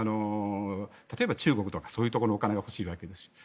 例えば中国とかそういうところのお金が欲しいわけです。